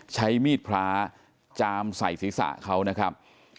ใช้มีดพลาจามสัยศิริษะเขานะครับ